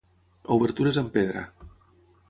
Obertures amb pedra.